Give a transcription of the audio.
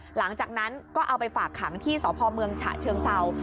หลังจากนั้นก็เอาไปฝากขังที่สพเมืองฉะเชิงเศร้า